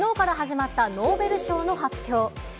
きのうから始まったノーベル賞の発表。